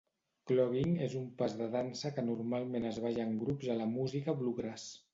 Clogging és un pas de dansa que normalment es balla en grups a la música bluegrass.